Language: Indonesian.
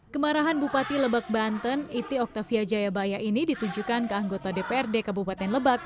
kemarahan bupati lebak banten iti oktavia jayabaya ini ditujukan ke anggota dprd kabupaten lebak